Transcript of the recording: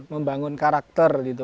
membangun karakter gitu